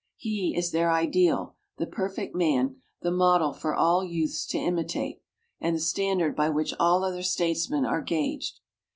He is their ideal, the perfect man, the model for all youths to imitate, and the standard by which all other statesmen are gauged.